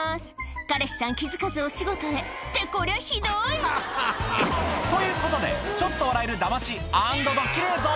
彼氏さん気付かずお仕事へってこりゃひどい！ということでちょっと笑える